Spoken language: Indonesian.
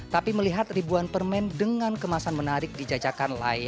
tapi melihat ribuan permen dengan kemasan menarik dijajakan lain